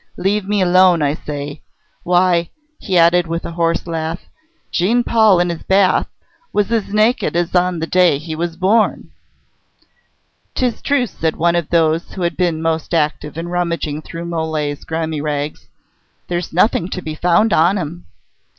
Leave me alone, I say! Why," he added, with a hoarse laugh, "Jean Paul in his bath was as naked as on the day he was born!" "'Tis true," said one of those who had been most active in rummaging through Mole's grimy rags. "There's nothing to be found on him."